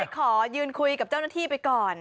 ขอยืนคุยกับเจ้าหน้าที่ไปก่อน